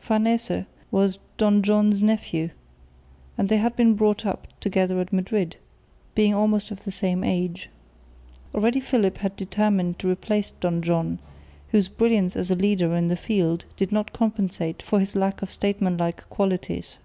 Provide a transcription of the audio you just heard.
Farnese was Don John's nephew, and they had been brought up together at Madrid, being almost of the same age. Already Philip had determined to replace Don John, whose brilliance as a leader in the field did not compensate for his lack of statesmanlike qualities.